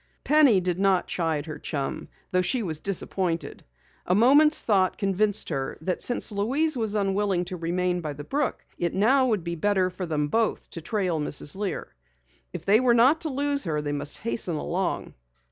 Penny did not chide her chum, though she was disappointed. A moment's thought convinced her that since Louise was unwilling to remain by the brook, it now would be better for them both to trail Mrs. Lear. If they were not to lose her, they must hasten along.